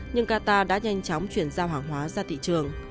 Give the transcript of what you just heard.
nhưng qatar đã nhanh chóng chuyển giao hàng hóa ra thị trường